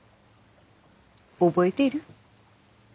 覚えている？